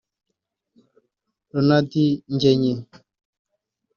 Ronald Ngeny